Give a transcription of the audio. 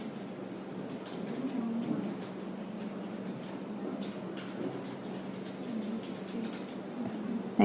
ibu putri candrawati